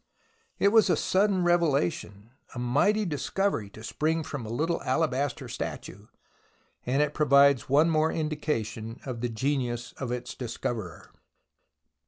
It was a sudden revelation, a mighty discovery to spring from a little alabaster statue, and it provides one more indication of the genius of its discoverer.